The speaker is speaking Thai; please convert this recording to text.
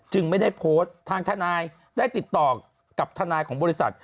ไม่ได้โพสต์ทางทนายได้ติดต่อกับทนายของบริษัท